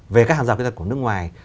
về các hàng rào kỹ thuật của nước ngoài